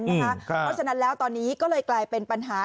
เพราะฉะนั้นแล้วตอนนี้ก็เลยกลายเป็นปัญหา